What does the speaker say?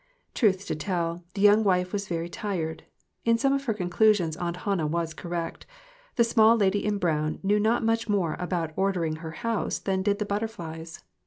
Truth to tell, the young wife was very tired. In some of her conclusions Aunt Hannah was correct. The small lady in brown knew not much more about ordering her house than did the butterflies.